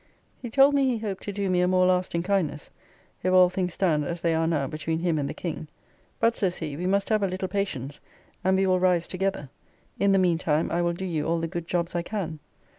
He told the he hoped to do me a more lasting kindness, if all things stand as they are now between him and the King, but, says he, "We must have a little patience and we will rise together; in the mean time I will do you all the good jobs I can."